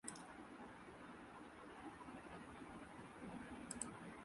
وہ دانستہ ان پہلوئوں کی نقاب کشائی سے گریزاں ہے۔